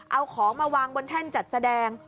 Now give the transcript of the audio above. เอาของมาวางบนแท่นจัดแสดง